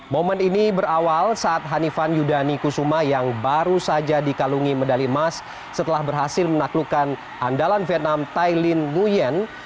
momen ini berawal saat hanifan yudani kusuma yang baru saja dikalungi medali emas setelah berhasil menaklukkan andalan vietnam thailand nguyen